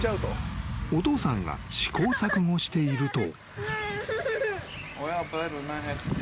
［お父さんが試行錯誤していると］